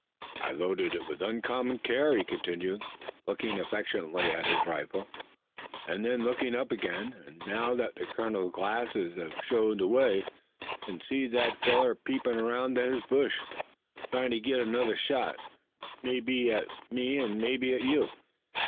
"I loaded it with uncommon care," he continued, looking affectionately at his rifle, and then looking up again, "an' now that the colonel's glasses hev showed the way I kin see that feller peepin' from roun' his bush, tryin' to git another shot, mebbe at me an' mebbe at you.